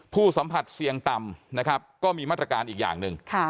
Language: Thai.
สัมผัสเสี่ยงต่ำนะครับก็มีมาตรการอีกอย่างหนึ่ง